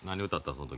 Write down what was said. その時。